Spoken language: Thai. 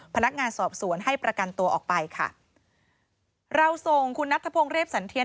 พนักงานสอบสวนให้ประกันตัวออกไปค่ะเราส่งคุณนัทธพงศ์เรฟสันเทียน